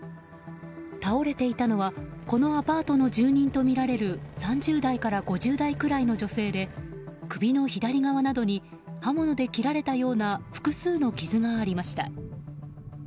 倒れていたのはこのアパートの住人とみられる３０代から５０代くらいの女性で首の左側などに刃物で切られたような複数の傷がありました。